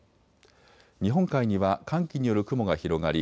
日本海には寒気による雲が広がり